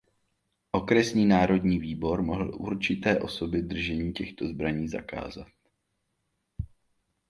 Okresní národní výbor mohl určité osobě držení těchto zbraní zakázat.